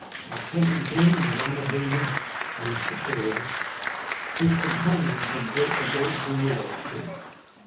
I have taken him and the Amaboona" (that is, the Boers), "his companions, and brought them all to you, O king."